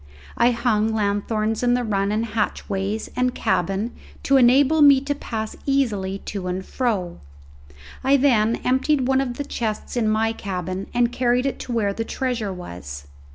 I hung lanthorns in the run and hatchways and cabin to enable me to pass easily to and fro; I then emptied one of the chests in my cabin and carried it to where the treasure was.